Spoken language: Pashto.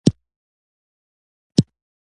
که غواړئ چې وطن جوړ شي نو لاسونه ورکړئ.